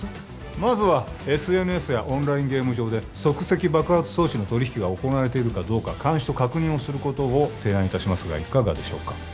まずはＳＮＳやオンラインゲーム上で即席爆発装置の取引が行われているかどうか監視と確認をすることを提案いたしますがいかがでしょうか？